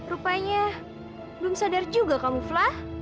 rupanya belum sadar juga kamu flah